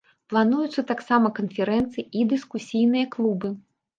Плануюцца таксама канферэнцыі і дыскусійныя клубы.